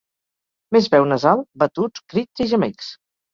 Més veu nasal, batuts, crits i gemecs.